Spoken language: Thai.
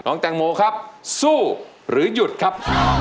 น้องแต่งโหมครับสู้หรือยุดครับ